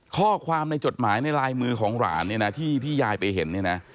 ข้อความในจดหมายในลายมือของหลานที่พี่ยายไปเห็น